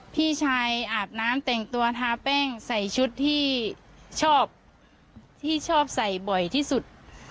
พี่ชายอาบน้ำแต่งตัวทาแป้งใส่ชุดที่ชอบที่ชอบใส่บ่อยที่สุด